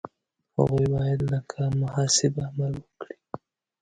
هغوی باید لکه محاسب عمل وکړي.